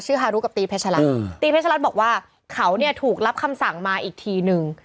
ชื่อฮารุกับตีเพชรรัฐตีเพชรรัฐบอกว่าเขาถูกรับคำสั่งมาอีกทีหนึ่ง